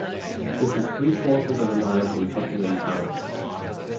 This is three-quarters of a mile from Buckingham Palace.